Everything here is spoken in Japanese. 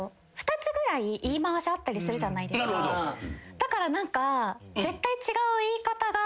だから何か絶対。